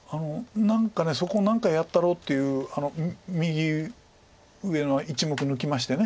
何かそこ何かやったろうっていう右上の１目抜きまして。